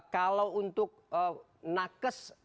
kalau untuk nakes